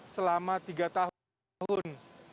selama tiga tahun